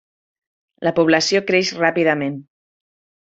La població creix ràpidament.